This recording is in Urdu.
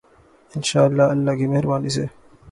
انشاء اللہ، اللہ کی مہربانی سے۔